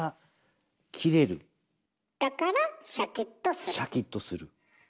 だからシャキっとする？